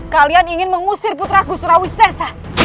kalian ingin mengusir putra gusura wisesa